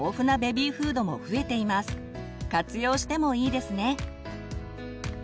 活用してもいいですね。